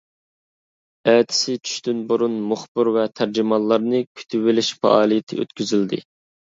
ئەتىسى چۈشتىن بۇرۇن مۇخبىر ۋە تەرجىمانلارنى كۈتۈۋېلىش پائالىيىتى ئۆتكۈزۈلدى.